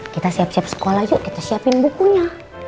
kita siap siap sekolah yuk kita siapin bukunya